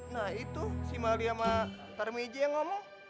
nah itu si mali sama tarim eji yang ngomong